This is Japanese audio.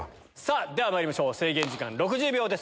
ではまいりましょう制限時間６０秒です。